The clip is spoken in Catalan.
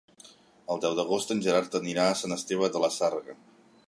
El deu d'agost en Gerard anirà a Sant Esteve de la Sarga.